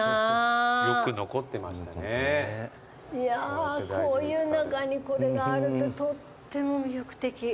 いやぁこういう中にこれがあるととっても魅力的。